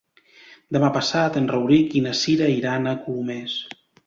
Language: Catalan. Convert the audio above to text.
Demà passat en Rauric i na Cira iran a Colomers.